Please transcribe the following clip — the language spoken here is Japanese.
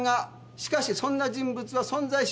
しかしそんな人物は存在しません。